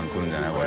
これ。